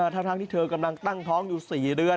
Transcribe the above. ทั้งที่เธอกำลังตั้งท้องอยู่๔เดือน